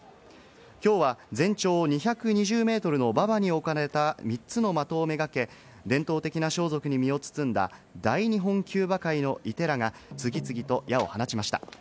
きょうは全長２２０ｍの馬場に置かれた３つの的をめがけ、伝統的な装束に身を包んだ、大日本弓馬会の射手らが次々と矢を放ちました。